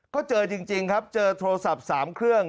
ก็เจอจริงครับเจอโทรศัพท์๓เครื่อง